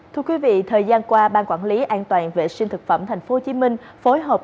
thưa quý vị thời gian qua ban quản lý an toàn vệ sinh thực phẩm tp hcm phối hợp